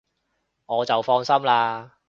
我就放心喇